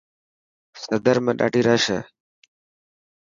سدر ۾ ڏاڌي رش هي.